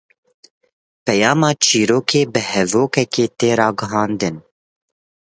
Peyama çîrokê bi hevokekê tê ragihandin.